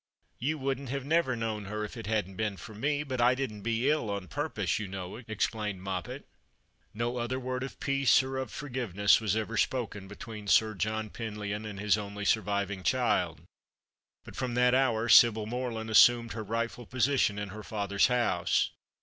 " You wouldn't have never known her if it hadn't been for me, but I didn't be ill on purpose, you know," explained Moppet. No other word of peace or of forgiveness was ever 256 The Christmas Hieelings. spoken between Sir John Penlyon and his only surviving child ; but from that hour Sibyl Morland assumed her rightful position in her father's house.